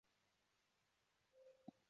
乾隆四十五年登庚子恩科进士。